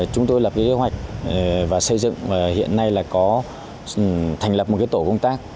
chúng tôi lập kế hoạch và xây dựng hiện nay là có thành lập một tổ công tác